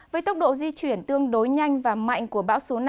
với tốc độ di chuyển tương đối nhanh và mạnh của bão số năm